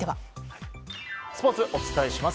スポーツ、お伝えします。